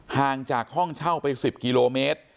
ห่างจากห้องเช่าไป๑๐กิโลเมตร